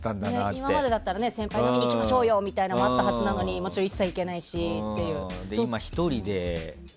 今までだったら先輩と飲みに行きましょうよみたいのもあったはずなのにもちろん一切行けないしっていう。